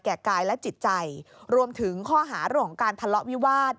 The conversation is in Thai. กายและจิตใจรวมถึงข้อหาเรื่องของการทะเลาะวิวาส